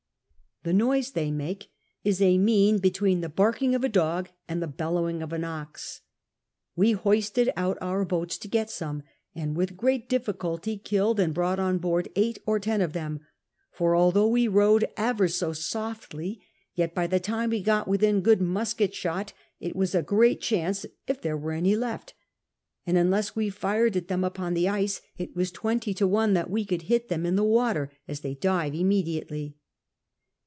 The noise they make is a mean betwixt the barking of a dog and the bellowing of an ox. We hoisted out our boats to get some, and with great difficulty killed and brought on board eight or ten of them ; for although we rowed ever so softly, yet by the time we got within good musket shot, it was a great chance if there were any left ; and unless we fired at them upon the ice it was twenty to one that we could hit them in the water, as they dive immediately.